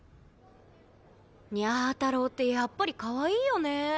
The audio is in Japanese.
にゃ太郎ってやっぱりかわいいよね。